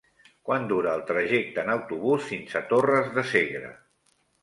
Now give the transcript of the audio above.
Quant dura el trajecte en autobús fins a Torres de Segre?